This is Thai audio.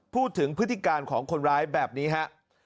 พฤติการของคนร้ายแบบนี้ฮะ